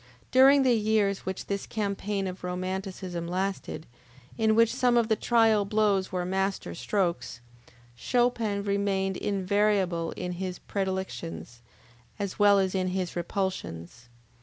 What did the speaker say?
During the years which this campaign of Romanticism lasted, in which some of the trial blows were master strokes, Chopin remained invariable in his predilections, as well as in his repulsions.